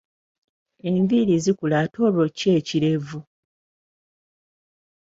Enviiri zikula ate olwo kyo ekirevu?